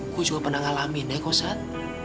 gue juga pernah ngalamin ya kok sat